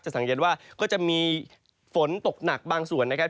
สังเกตว่าก็จะมีฝนตกหนักบางส่วนนะครับ